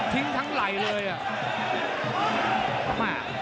แต่ลงเหมือนกันมาก